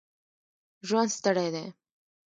ژوند ستړی دی